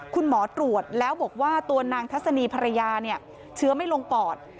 คุณหมอตรวจแล้วบอกว่าตัวนางทัศนีภรรยาเนี่ยเชื้อไม่ลงปอด